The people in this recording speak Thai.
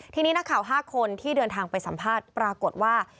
ทีนี้นักข่าว๕คนที่เดินทางไปสัมภาษณ์ปรากฏว่า